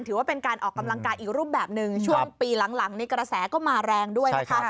ถือว่าเป็นการออกกำลังกายอีกรูปแบบหนึ่งช่วงปีหลังนี้กระแสก็มาแรงด้วยนะคะ